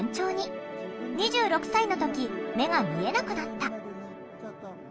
２６歳の時目が見えなくなった。